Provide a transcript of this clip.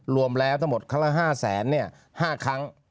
รวมแล้วทั้งหมดครั้งละ๕๕ครั้ง